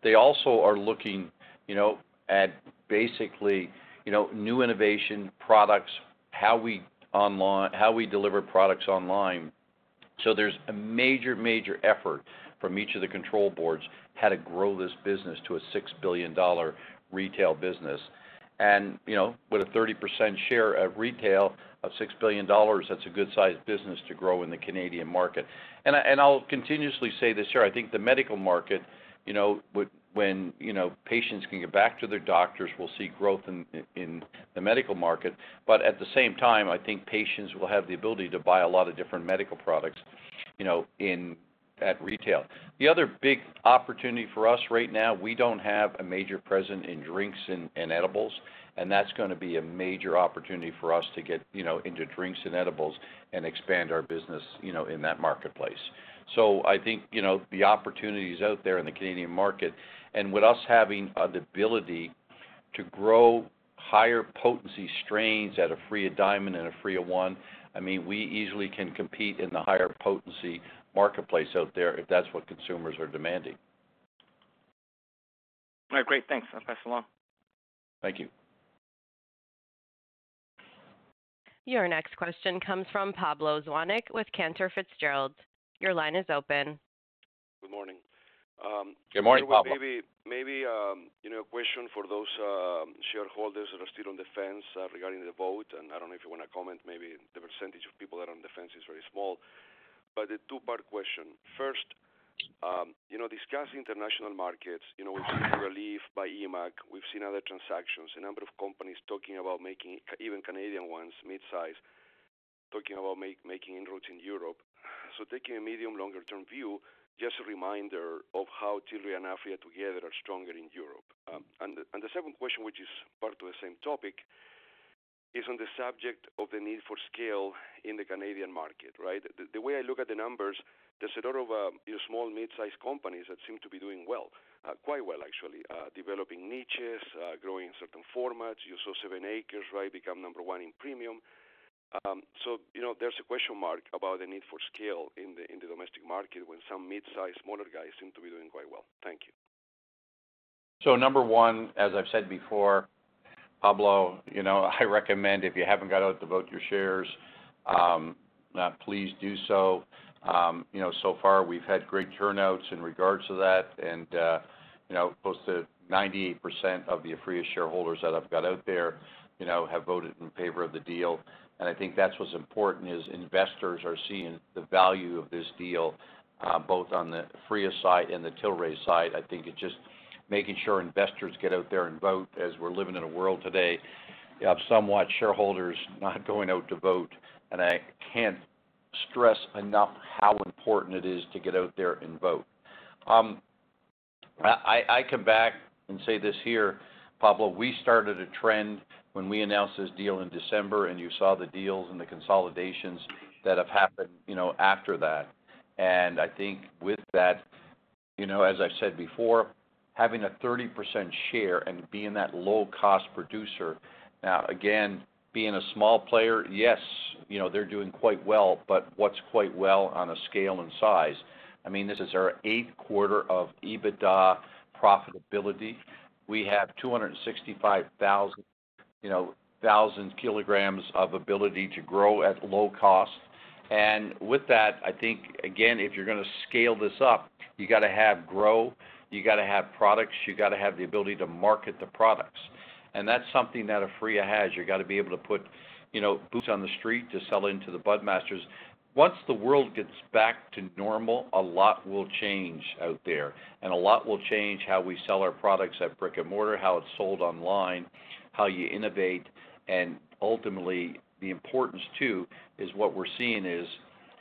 They also are looking at basically new innovation products, how we deliver products online. There's a major effort from each of the control boards how to grow this business to a 6 billion dollar retail business. With a 30% share of retail of 6 billion dollars, that's a good-sized business to grow in the Canadian market. I'll continuously say this year, I think the medical market, when patients can get back to their doctors, we'll see growth in the medical market. At the same time, I think patients will have the ability to buy a lot of different medical products at retail. The other big opportunity for us right now, we don't have a major presence in drinks and edibles, and that's going to be a major opportunity for us to get into drinks and edibles and expand our business in that marketplace. I think the opportunity's out there in the Canadian market and with us having the ability to grow higher potency strains out of Aphria Diamond and Aphria One, we easily can compete in the higher potency marketplace out there if that's what consumers are demanding. All right, great. Thanks. I'll pass along. Thank you. Your next question comes from Pablo Zuanic with Cantor Fitzgerald. Your line is open. Good morning. Good morning, Pablo. Maybe a question for those shareholders that are still on the fence regarding the vote, and I don't know if you want to comment, maybe the percentage of people that are on the fence is very small. A two-part question. First, discussing international markets, we've seen relief by EMMAC, we've seen other transactions, a number of companies, even Canadian ones, mid-size, talking about making inroads in Europe. Taking a medium, longer term view, just a reminder of how Tilray and Aphria together are stronger in Europe. The second question, which is part to the same topic, is on the subject of the need for scale in the Canadian market, right? The way I look at the numbers, there's a lot of small, mid-size companies that seem to be doing well, quite well, actually. Developing niches, growing certain formats. You saw 7ACRES, right, become number one in premium. There's a question mark about the need for scale in the domestic market when some mid-size, smaller guys seem to be doing quite well. Thank you. Number one, as I've said before, Pablo, I recommend if you haven't got out to vote your shares, please do so. Far, we've had great turnouts in regards to that. Close to 98% of the Aphria shareholders that have got out there have voted in favor of the deal. I think that's what's important is investors are seeing the value of this deal, both on the Aphria side and the Tilray side. I think it's just making sure investors get out there and vote as we're living in a world today of somewhat shareholders not going out to vote, and I can't stress enough how important it is to get out there and vote. I come back and say this here, Pablo, we started a trend when we announced this deal in December, and you saw the deals and the consolidations that have happened after that. I think with that, as I've said before, having a 30% share and being that low cost producer, again, being a small player, yes, they're doing quite well, but what's quite well on a scale and size? This is our eighth quarter of EBITDA profitability. We have 265,000 kilograms of ability to grow at low cost. With that, I think, again, if you're going to scale this up, you got to have growth, you got to have products, you got to have the ability to market the products. That's something that Aphria has. You got to be able to put boots on the street to sell into the bud masters. Once the world gets back to normal, a lot will change out there, and a lot will change how we sell our products at brick and mortar, how it's sold online, how you innovate. Ultimately, the importance, too, is what we're seeing is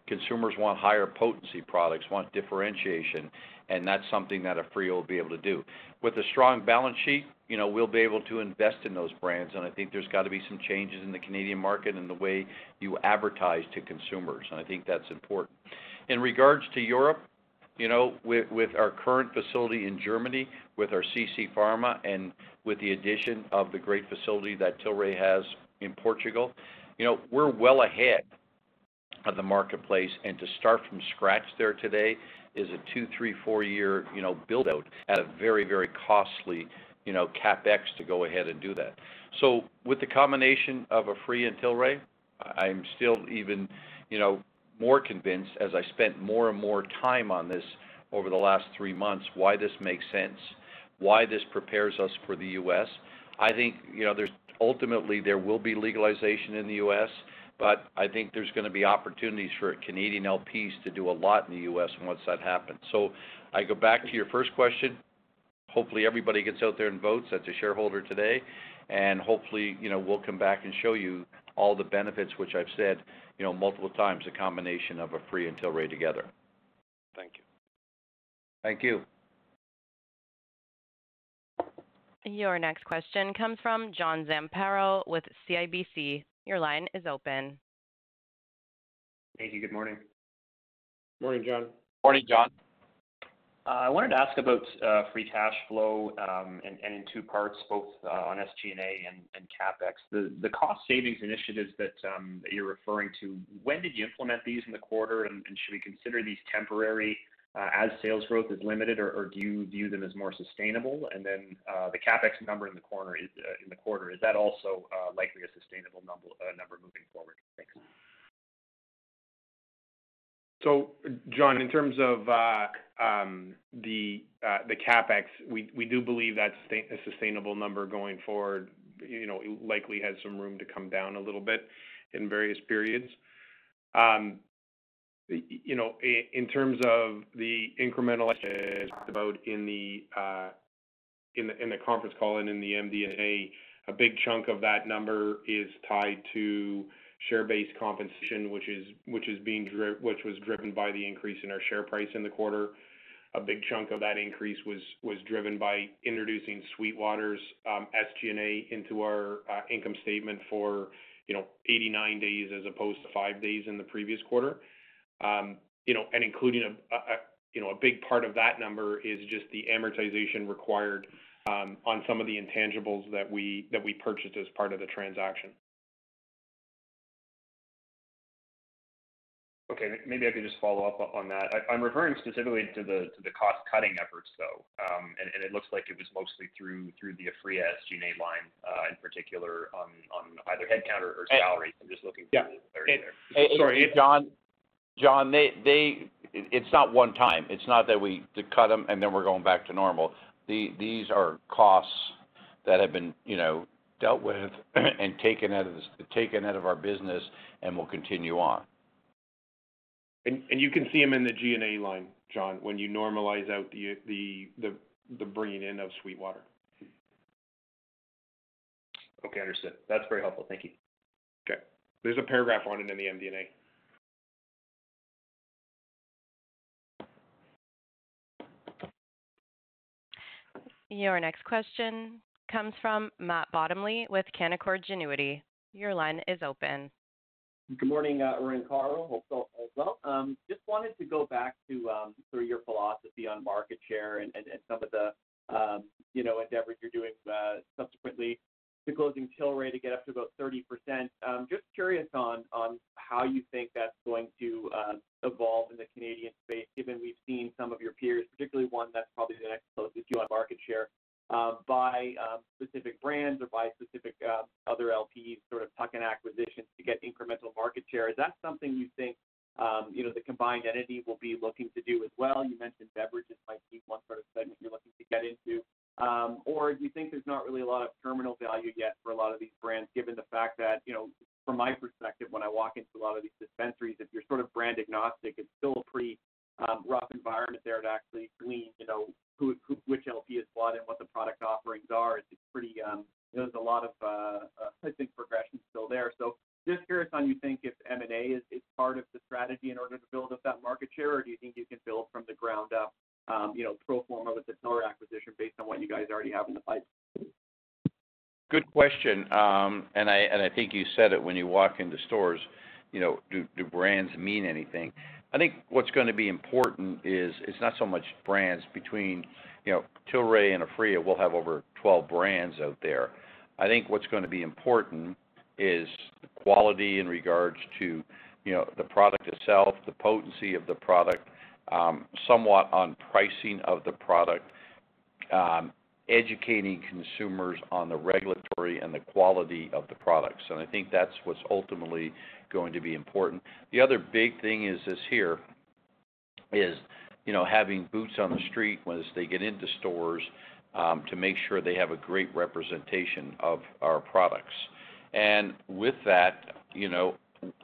consumers want higher potency products, want differentiation, and that's something that Aphria will be able to do. With a strong balance sheet, we'll be able to invest in those brands, and I think there's got to be some changes in the Canadian market in the way you advertise to consumers, and I think that's important. In regards to Europe, with our current facility in Germany, with our CC Pharma, and with the addition of the great facility that Tilray has in Portugal, we're well ahead of the marketplace. To start from scratch there today is a two, three, four year build-out at a very, very costly CapEx to go ahead and do that. With the combination of Aphria and Tilray, I'm still even more convinced, as I spent more and more time on this over the last three months, why this makes sense, why this prepares us for the U.S. I think ultimately there will be legalization in the U.S., but I think there's going to be opportunities for Canadian LPs to do a lot in the U.S. once that happens. I go back to your first question. Hopefully, everybody gets out there and votes that's a shareholder today. Hopefully, we'll come back and show you all the benefits, which I've said multiple times, the combination of Aphria and Tilray together. Thank you. Thank you. Your next question comes from John Zamparo with CIBC. Your line is open. Thank you. Good morning. Morning, John. Morning, John. I wanted to ask about free cash flow, and in two parts, both on SG&A and CapEx. The cost savings initiatives that you're referring to, when did you implement these in the quarter? Should we consider these temporary as sales growth is limited, or do you view them as more sustainable? The CapEx number in the quarter, is that also likely a sustainable number moving forward? John, in terms of the CapEx, we do believe that's a sustainable number going forward. It likely has some room to come down a little bit in various periods. In terms of the incremental about in the conference call and in the MD&A, a big chunk of that number is tied to share-based compensation, which was driven by the increase in our share price in the quarter. A big chunk of that increase was driven by introducing SweetWater's SG&A into our income statement for 89 days as opposed to five days in the previous quarter. Including a big part of that number is just the amortization required on some of the intangibles that we purchased as part of the transaction. Okay. Maybe I could just follow up on that. I'm referring specifically to the cost-cutting efforts, though. It looks like it was mostly through the Aphria SG&A line, in particular, on either headcount or salaries. I'm just looking through there. Sorry. John, it's not one time. It's not that we cut them and then we're going back to normal. These are costs that have been dealt with and taken out of our business and will continue on. You can see them in the G&A line, John, when you normalize out the bringing in of SweetWater. Okay, understood. That's very helpful. Thank you. Okay. There's a paragraph on it in the MD&A. Your next question comes from Matt Bottomley with Canaccord Genuity. Your line is open. Good morning, Irwin, Carl. Hope all is well. Just wanted to go back to your philosophy on market share and some of the endeavors you're doing subsequently to closing Tilray to get up to about 30%. Just curious on how you think that's going to evolve in the Canadian space, given we've seen some of your peers, particularly one that's probably the next closest to you on market share, buy specific brands or buy specific other LPs, sort of tuck-in acquisitions to get incremental market share. Is that something you think the combined entity will be looking to do as well? You mentioned beverages might be one sort of segment you're looking to get into. Do you think there's not really a lot of terminal value yet for a lot of these brands, given the fact that, from my perspective, when I walk into a lot of these dispensaries, if you're sort of brand agnostic, it's still a pretty rough environment there to actually glean which LP is what and what the product offerings are. There's a lot of, I think, progression still there. Just curious on you think if M&A is part of the strategy in order to build up that market share, or do you think you can build from the ground up, pro forma with the Tilray acquisition based on what you guys already have in the pipes. Good question. I think you said it when you walk into stores, do brands mean anything? I think what's going to be important is it's not so much brands between Tilray and Aphria. We'll have over 12 brands out there. I think what's going to be important is the quality in regards to the product itself, the potency of the product, somewhat on pricing of the product, educating consumers on the regulatory and the quality of the products. I think that's what's ultimately going to be important. The other big thing is this here, is having boots on the street once they get into stores to make sure they have a great representation of our products. With that,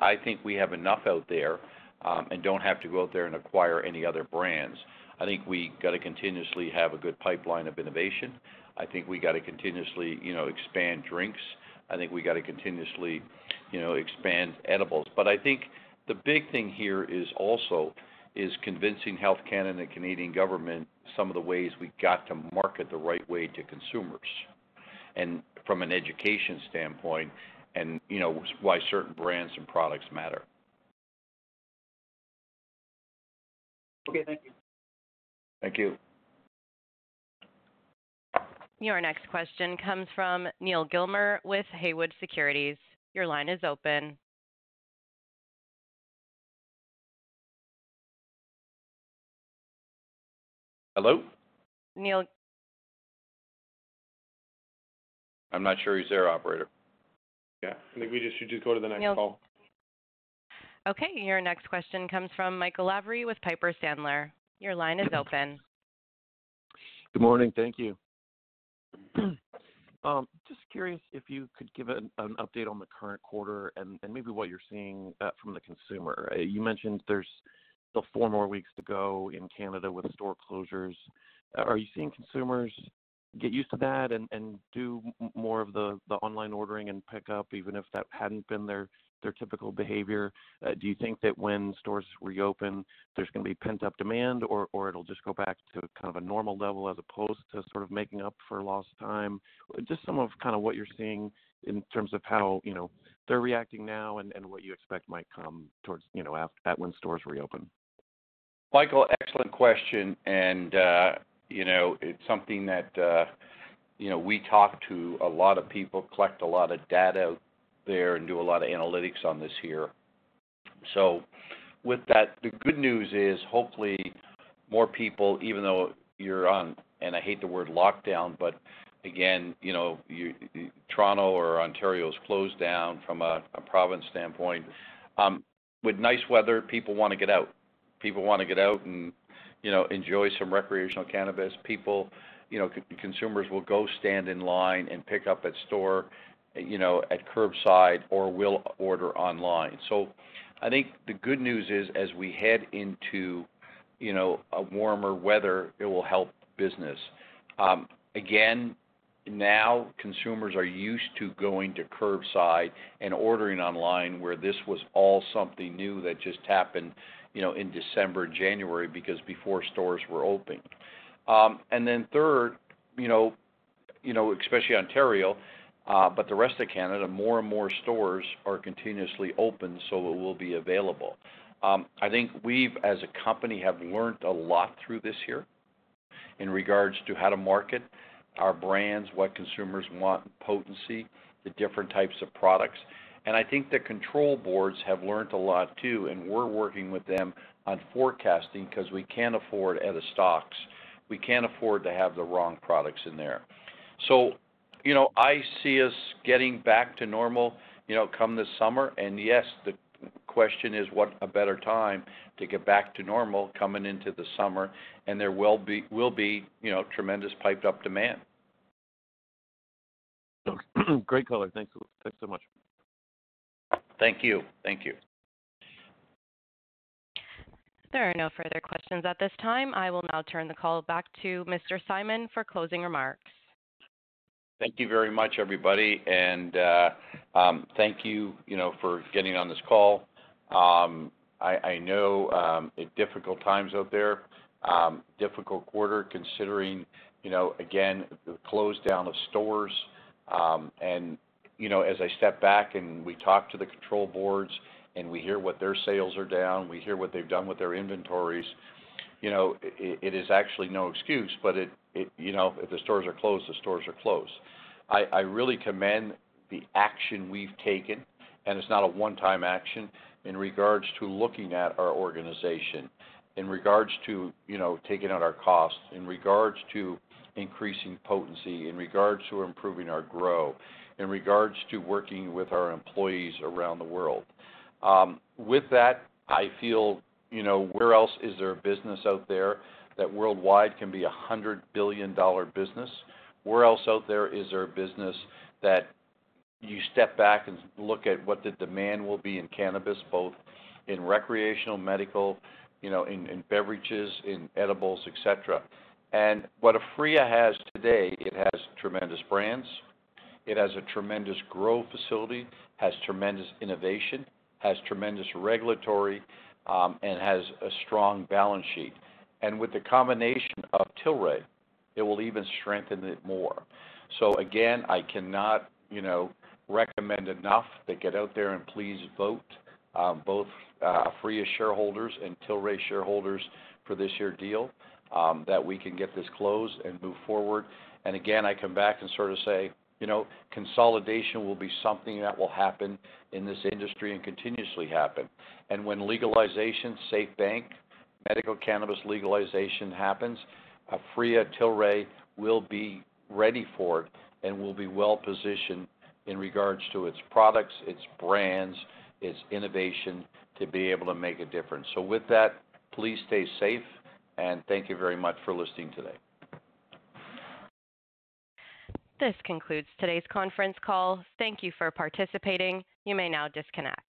I think we have enough out there and don't have to go out there and acquire any other brands. I think we got to continuously have a good pipeline of innovation. I think we got to continuously expand drinks. I think we got to continuously expand edibles. I think the big thing here is also is convincing Health Canada, Canadian government, some of the ways we've got to market the right way to consumers, and from an education standpoint, and why certain brands and products matter. Okay. Thank you. Thank you. Your next question comes from Neal Gilmer with Haywood Securities. Your line is open. Hello? Neal? I'm not sure he's there, operator. Yeah, I think we should just go to the next call. Okay, your next question comes from Michael Lavery with Piper Sandler. Your line is open. Good morning. Thank you. Just curious if you could give an update on the current quarter and maybe what you're seeing from the consumer. You mentioned there's still four more weeks to go in Canada with store closures. Are you seeing consumers get used to that and do more of the online ordering and pickup, even if that hadn't been their typical behavior? Do you think that when stores reopen, there's going to be pent-up demand, or it'll just go back to kind of a normal level as opposed to sort of making up for lost time? Just some of what you're seeing in terms of how they're reacting now and what you expect might come towards when stores reopen. Michael, excellent question. It's something that we talk to a lot of people, collect a lot of data out there, and do a lot of analytics on this here. With that, the good news is hopefully more people, even though you're on, and I hate the word lockdown, but again, Toronto or Ontario is closed down from a province standpoint. With nice weather, people want to get out. People want to get out and enjoy some recreational cannabis. People, consumers will go stand in line and pick up at store, at curbside, or will order online. I think the good news is, as we head into warmer weather, it will help business. Again, now consumers are used to going to curbside and ordering online, where this was all something new that just happened in December, January, because before stores were open. Then third, especially Ontario, but the rest of Canada, more and more stores are continuously open, so it will be available. I think we've, as a company, have learned a lot through this year in regards to how to market our brands, what consumers want in potency, the different types of products. I think the control boards have learned a lot, too, and we're working with them on forecasting because we can't afford out-of-stocks. We can't afford to have the wrong products in there. I see us getting back to normal come this summer. Yes, the question is, what a better time to get back to normal coming into the summer, and there will be tremendous piped-up demand. Great color. Thanks so much. Thank you. There are no further questions at this time. I will now turn the call back to Mr. Simon for closing remarks. Thank you very much, everybody, and thank you for getting on this call. I know it's difficult times out there, difficult quarter considering, again, the close down of stores. As I step back and we talk to the control boards and we hear what their sales are down, we hear what they've done with their inventories. It is actually no excuse, but if the stores are closed, the stores are closed. I really commend the action we've taken, and it's not a one-time action, in regards to looking at our organization, in regards to taking out our costs, in regards to increasing potency, in regards to improving our grow, in regards to working with our employees around the world. With that, I feel, where else is there a business out there that worldwide can be a 100 billion dollar business. Where else out there is there a business that you step back and look at what the demand will be in cannabis, both in recreational, medical, in beverages, in edibles, et cetera. What Aphria has today, it has tremendous brands, it has a tremendous grow facility, has tremendous innovation, has tremendous regulatory, and has a strong balance sheet. With the combination of Tilray, it will even strengthen it more. Again, I cannot recommend enough to get out there and please vote, both Aphria shareholders and Tilray shareholders for this year deal, that we can get this closed and move forward. Again, I come back and sort of say, consolidation will be something that will happen in this industry and continuously happen. When legalization, SAFE bank, medical cannabis legalization happens, Aphria, Tilray will be ready for it and will be well-positioned in regards to its products, its brands, its innovation to be able to make a difference. With that, please stay safe, and thank you very much for listening today. This concludes today's conference call. Thank you for participating. You may now disconnect.